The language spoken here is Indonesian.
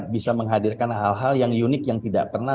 bisa menghadirkan hal hal yang unik yang tidak pernah